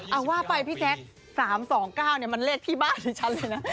เอาว่าไปพี่แท็ก๓๒๙เนี่ยมันเลขที่บ้านในชั้นเลยนะ